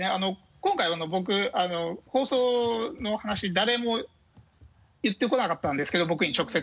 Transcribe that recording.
今回僕放送の話誰も言ってこなかったんですけど僕に直接。